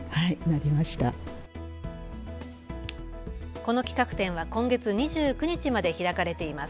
この企画展は今月２９日まで開かれています。